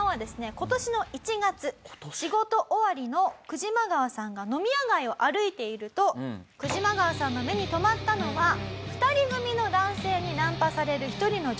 今年の１月仕事終わりのクジマガワさんが飲み屋街を歩いているとクジマガワさんの目に留まったのは２人組の男性にナンパされる１人の女性です。